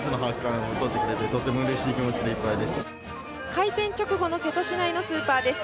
開店直後の瀬戸市内のスーパーです。